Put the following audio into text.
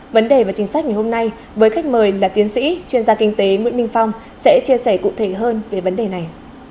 vấn đề và chính sách ngày hôm nay với khách mời là tiến sĩ chuyên gia kinh tế nguyễn minh phong sẽ chia sẻ cụ thể hơn về vấn đề này